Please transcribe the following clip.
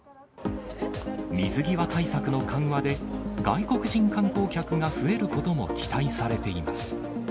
水際対策の緩和で、外国人観光客が増えることも期待されています。